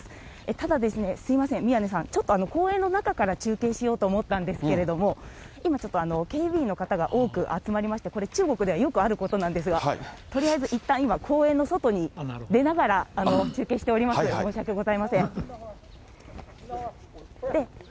ただですね、すみません、宮根さん、ちょっと公園の中から中継しようと思ったんですけれども、今、ちょっと警備員の方が多く集まりまして、これ、中国ではよくあることなんですが、とりあえずいったん、今、公園の外に出ながら中継しております、申し訳ございません。